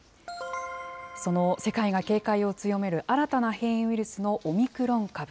その世界が警戒を強める新たな変異ウイルスのオミクロン株。